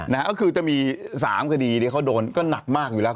ก็คือจะมี๓คดีที่เขาโดนก็หนักมากอยู่แล้ว